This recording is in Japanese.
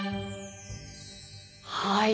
はい。